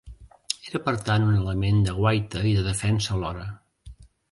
Era per tant un element de guaita i de defensa alhora.